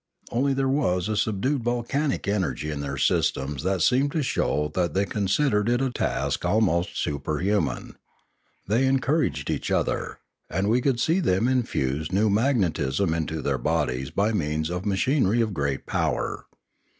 Only there was a subdued volcanic energy in their systems that seemed to show that they con sidered it a task almost superhuman. They encouraged each other, and we could see them infuse new magnet ism into their bodies by means of machinery of great power.